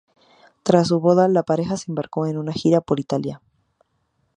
Tras su boda, la pareja se embarcó en una gira por Italia.